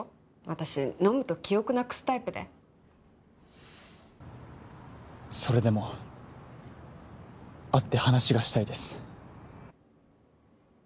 私飲むと記憶なくすタイプでそれでも会って話がしたいです